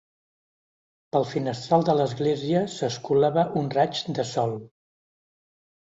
Pel finestral de l'església s'escolava un raig de sol.